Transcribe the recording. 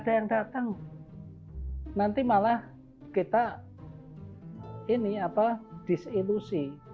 tidak ada yang terbuka nanti malah kita diselusi